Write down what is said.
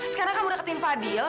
sekarang kamu deketin fadhil